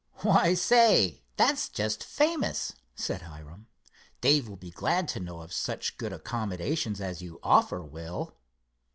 "Why, say, that's just famous," said Hiram. "Dave will be glad to know of such good accommodations as you offer, Will."